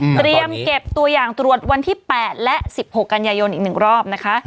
เตรียมเก็บตัวอย่างตรวจวันที่๘และ๑๖กันยายนอีก๑รอบนะคะ